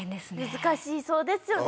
難しそうですよね